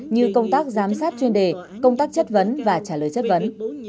như công tác giám sát chuyên đề công tác chất vấn và trả lời chất vấn